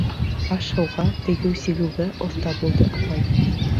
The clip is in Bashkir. Аш-һыуға, тегеү-сигеүгә оҫта булды апай.